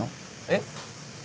えっ？